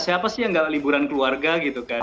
siapa sih yang gak liburan keluarga gitu kan